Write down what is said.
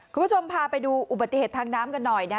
คุณผู้ชมพาไปดูอุบัติเหตุทางน้ำกันหน่อยนะ